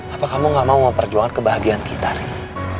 apa kamu gak mau memperjuangkan kebahagiaan kita riz